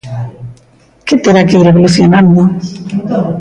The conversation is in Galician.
¿Que terá que ir evolucionando?